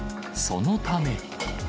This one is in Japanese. そのため。